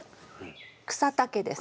草丈です。